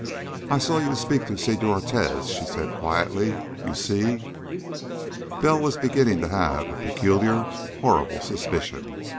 "I saw you speak to Senor Ortiz," she said quietly. "You see?" Bell was beginning to have a peculiar, horrible suspicion.